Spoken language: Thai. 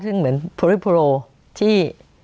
ซึ่งเหมือนโพลิโพโรที่